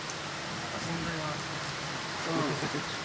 「存在は聞いたこと」。